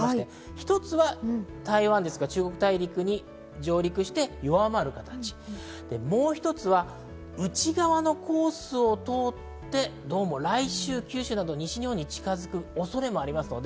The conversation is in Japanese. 一つは台湾、中国大陸に上陸して弱まる形、もう一つは、内側のコースを通って来週、九州など西日本に近づく恐れがあります。